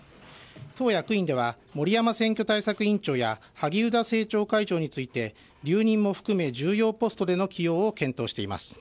党役員では、森山選挙対策委員長や萩生田政調会長について、留任も含め、重要ポストでの起用を検討しています。